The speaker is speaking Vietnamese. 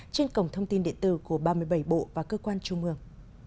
trên cổng thông tin điện tử của ba mươi bảy bộ và cơ quan trung ương